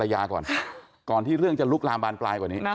ยังไม่เห็นหน้ากันค่ะ